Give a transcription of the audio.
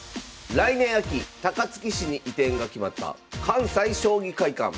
来年秋高槻市に移転が決まった関西将棋会館。